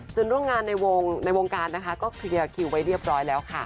ซึ่งโรงงานในวงการก็เคลียร์คิวไว้เรียบร้อยแล้วค่ะ